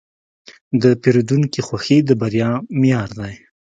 د پیرودونکي خوښي د بریا معیار دی.